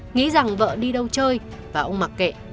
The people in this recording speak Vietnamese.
nghĩ rằng vợ đi đâu chơi và ông mặc kệ